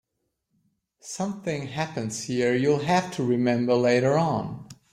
Something happens here you'll have to remember later on.